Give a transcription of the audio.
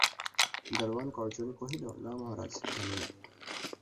দরোয়ান করজোড়ে কহিল, না মহারাজ, জানি না।